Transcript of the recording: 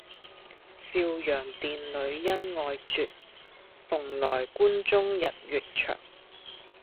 昭陽殿里恩愛絕，蓬萊宮中日月長。